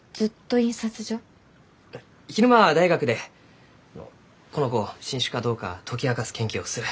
昼間は大学でこの子を新種かどうか解き明かす研究をする。